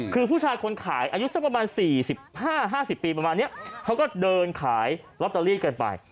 คือผู้ชายคนขายอายุสักประมาณ๔๕๕๐ปีประมาณนี้เขาก็เดินขายลอตเตอรี่กันไป